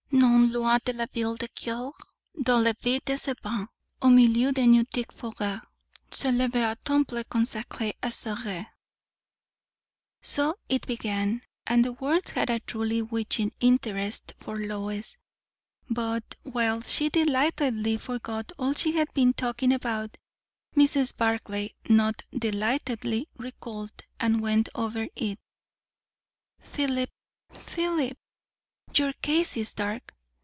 "Non loin de la ville de Cures, dans le pays des Sabins, au milieu d'une antique forêt, s'élève un temple consacré à Cérès." So it began; and the words had a truly witching interest for Lois.. But while she delightedly forgot all she had been talking about, Mrs. Barclay, not delightedly, recalled and went over it. Philip, Philip! your case is dark!